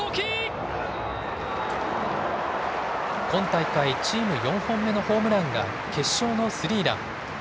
今大会、チーム４本目のホームランが決勝のスリーラン。